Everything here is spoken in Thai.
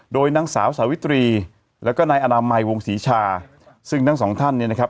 โดยนางสาวสาวิตรีแล้วก็นายอนามัยวงศรีชาซึ่งทั้งสองท่านเนี่ยนะครับ